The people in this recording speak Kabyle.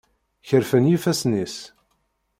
Kerfen yifassen-is.